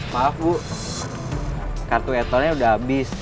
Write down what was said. maaf bu kartu eto'lnya udah abis